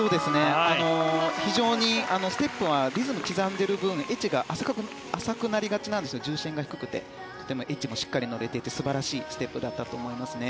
非常にステップはリズムを刻んでいる分エッジが浅くなりがちなんですが重心が低くてとてもエッジもしっかり乗れていて素晴らしいステップだったと思いますね。